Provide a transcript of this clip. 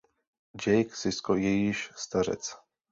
Jake Sisko je již stařec.